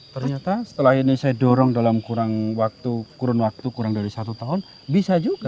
ternyata setelah ini saya dorong dalam kurun waktu kurang dari satu tahun bisa juga